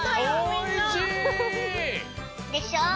おいしいでしょ？